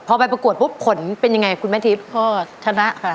พอไปประกวดปุ๊บผลเป็นยังไงคุณแม่ทิพย์ก็ชนะค่ะ